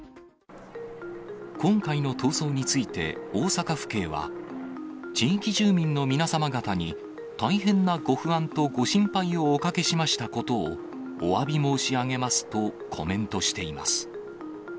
今回の逃走について、大阪府警は、地域住民の皆様方に大変なご不安とご心配をおかけしましたことをおわび申し上げますとコメントしています。